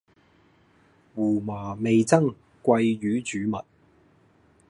胡麻味噌鮭魚煮物